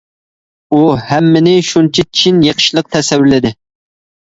ئۇ ھەممىنى شۇنچە چىن، يېقىشلىق تەسۋىرلىدى.